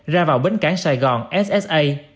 ra vào bến cảng sài gòn ssa